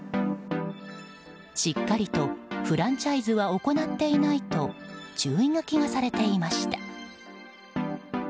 しっかりとフランチャイズは行っていないと注意書きがされていました。